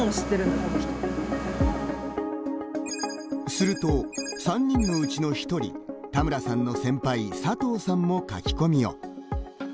すると、３人のうちの１人田村さんの先輩佐藤さんも書き込みを。